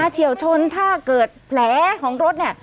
เฉียวชนถ้าเกิดแผลของรถเนี่ย